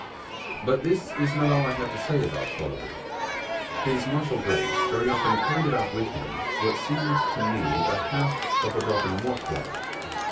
But this is not all I have to say about Kolory. His martial grace very often carried about with him what seemed to me the half of a broken war club.